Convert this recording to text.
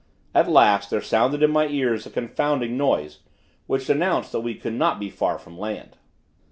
At last, there sounded in my ears a confounding noise, which announced that we could not be far from land.